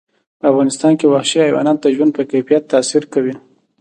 په افغانستان کې وحشي حیوانات د ژوند په کیفیت تاثیر کوي.